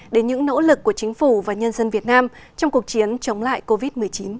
đến những nỗ lực của chính phủ và nhân dân việt nam trong cuộc chiến chống lại covid một mươi chín